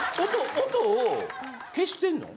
音を消してんの？